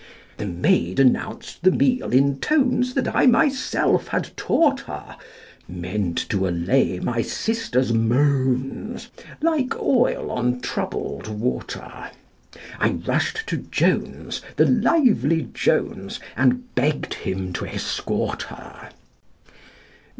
The maid announced the meal in tones That I myself had taught her, Meant to allay my sister's moans Like oil on troubled water: I rushed to Jones, the lively Jones, And begged him to escort her.